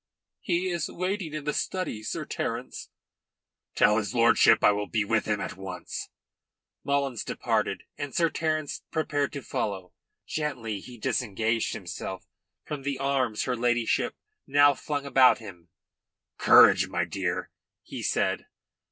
"He is waiting in the study, Sir Terence." "Tell his lordship I will be with him at once." Mullins departed, and Sir Terence prepared to follow. Gently he disengaged himself from the arms her ladyship now flung about him. "Courage, my dear," he said.